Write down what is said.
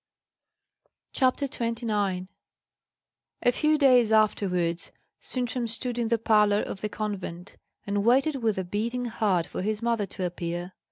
CHAPTER 29 A few days afterwards Sintram stood in the parlour of the convent, and waited with a beating heart for his mother to appear.